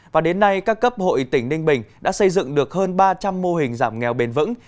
và đến nay các cấp hội tỉnh ninh bình đã xây dựng được hơn ba trăm linh mô hình giảm nghèo bền vững